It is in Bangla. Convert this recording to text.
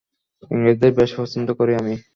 ইংরেজদের বেশ পছন্দ করি আমি।